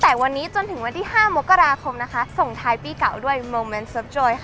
และนี่นะคะก็คือความพิเศษของขวัญของหนูนะครับ